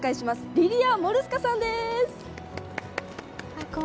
リリア・モルスカさんです。